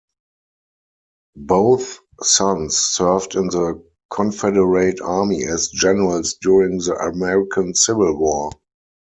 Both sons served in the Confederate Army as generals during the American Civil War.